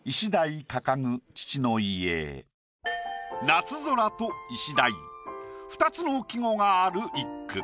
「夏空」と「石鯛」２つの季語がある一句。